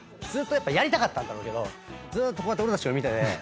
やりたかったんだろうけどずっと俺たちを見てて。